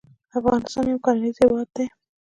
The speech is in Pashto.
افغانستان يو کرنيز هېواد دی.